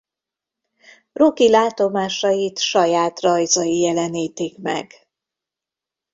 Rocky látomásait saját rajzai jelenítik meg.